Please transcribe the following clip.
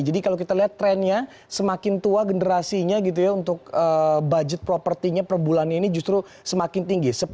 jadi kalau kita lihat trennya semakin tua generasinya gitu ya untuk budget propertinya per bulan ini justru semakin tinggi